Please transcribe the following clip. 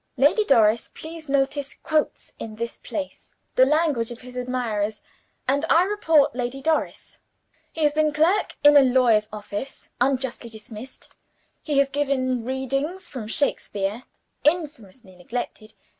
(Lady Doris, please notice, quotes in this place the language of his admirers; and I report Lady Doris.) "He has been clerk in a lawyer's office unjustly dismissed. He has given readings from Shakespeare infamously neglected.